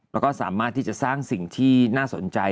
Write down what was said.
แล้วก็สามารถที่จะสร้างสิ่งที่น่าสนใจ